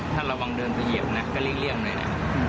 ท่านระวังเดินไปเหยียบนะก็เรียกเลี่ยมหน่อยนะ